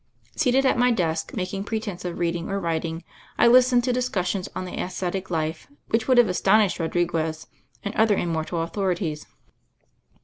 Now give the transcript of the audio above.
Seated at my desk, making pretense of reading or writing, I listened to discussions on the ascetic life which would have astonished Rodriguez and other immortal authorities.